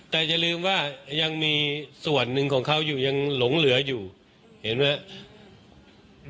แต่อย่าลืมว่ายังมีส่วนหนึ่งของเขาอยู่ยังหลงเหลืออยู่เห็นไหมครับ